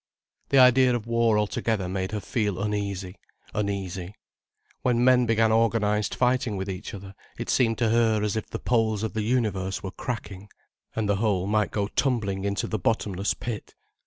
The idea of war altogether made her feel uneasy, uneasy. When men began organized fighting with each other it seemed to her as if the poles of the universe were cracking, and the whole might go tumbling into the bottomless pit.